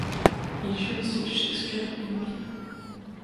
Il joue aussi Shakespeare et Molière.